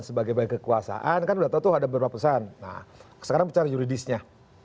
sebagai kekuasaan kan udah tahu tuh ada beberapa pesan nah sekarang bicara juridisnya